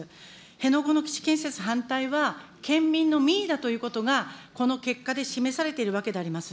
辺野古の基地建設反対は、県民の民意だということが、この結果で示されているわけであります。